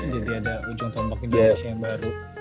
jadi ada ujung tombol ke indonesia yang baru